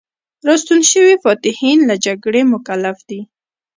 راستون شوي فاتحین له جګړې مکلف دي.